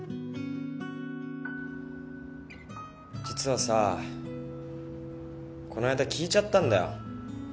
実はさこの間聞いちゃったんだよ。